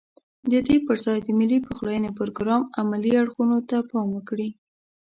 ددې پرځای د ملي پخلاينې پروګرام عملي اړخونو ته پام وکړي.